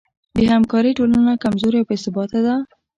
بېهمکارۍ ټولنه کمزورې او بېثباته ده.